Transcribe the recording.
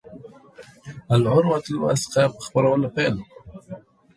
د العروة الوثقی په خپرولو پیل وکړ.